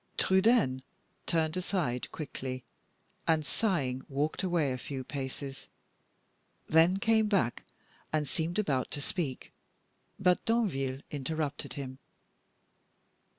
Trudaine turned aside quickly, and, sighing, walked away a few paces; then came back, and seemed about to speak, but Danville interrupted him.